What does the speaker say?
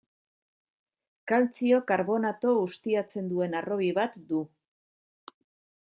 Kaltzio karbonato ustiatzen duen harrobi bat du.